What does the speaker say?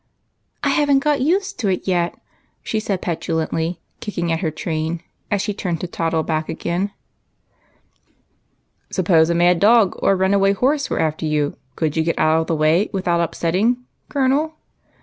" I have n't got used to it yet," she said, petulantly, kicking at her train, as she turned to toddle back again. " Suppose a mad dog or a runaway horse was after you, could you get out of the way without upsetting, Colonel?"